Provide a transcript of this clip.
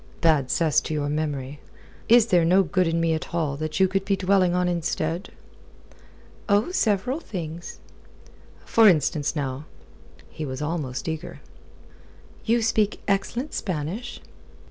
"Bad cess to your memory. Is there no good in me at all that you could be dwelling on instead?" "Oh, several things." "For instance, now?" He was almost eager. "You speak excellent Spanish."